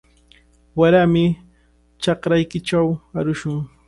Warami chakraykichaw arushun.